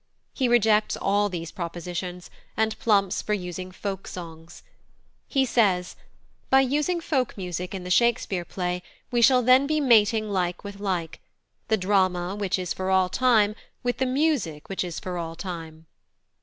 He rejects all these propositions, and plumps for using folk songs. He says: "By using folk music in the Shakespeare play we shall then be mating like with like, the drama which is for all time with the music which is for all time."